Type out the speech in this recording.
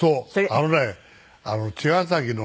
あのね茅ヶ崎のね